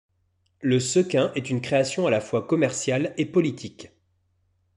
Le sequin est une création à la fois commerciale et politique.